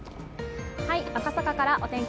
赤坂からお天気